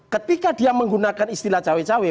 ketika dia menggunakan istilah cawe cawe